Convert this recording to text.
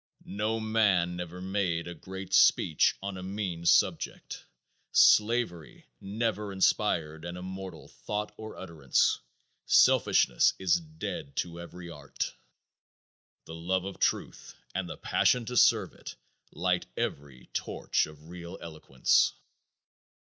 No man ever made a great speech on a mean subject. Slavery never inspired an immortal thought or utterance. Selfishness is dead to every art. The love of truth and the passion to serve it light every torch of real eloquence.